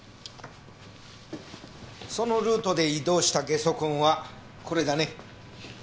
そのルートで移動したゲソ痕はこれだね。